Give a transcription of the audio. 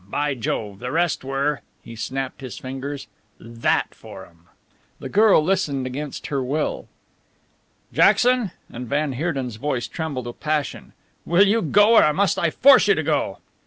By Jove! The rest were" he snapped his fingers "that for 'em!" The girl listened against her will. "Jackson!" and van Heerden's voice trembled with passion "will you go or must I force you to go?"